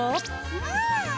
うん！